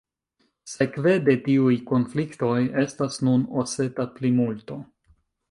Sekve de tiuj konfliktoj estas nun oseta plimulto.